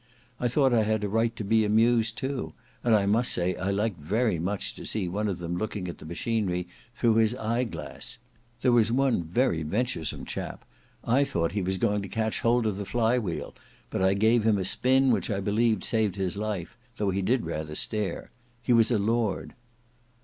I thought I had a right to be amused too; and I must say I liked very much to see one of them looking at the machinery through his eye glass. There was one very venturesome chap: I thought he was going to catch hold of the fly wheel, but I gave him a spin which I believed saved his life, though he did rather stare. He was a lord."